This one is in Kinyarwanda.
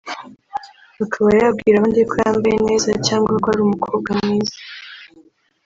akaba yabwira abandi ko yambaye neza cyangwa ko ari umukobwa mwiza